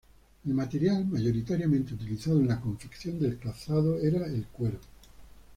El material mayoritariamente utilizado en la confección del calzado era el cuero.